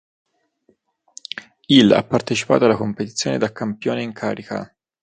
Il ha partecipato alla competizione da campione in carica.